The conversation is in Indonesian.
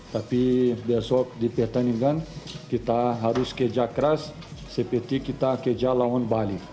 tapi besok di pertandingan kita harus kerja keras seperti kita kerja lawan bali